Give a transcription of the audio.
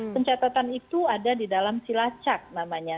pencatatan itu ada di dalam silacak namanya